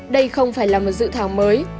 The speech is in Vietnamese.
đây không phải là một dự thảo mới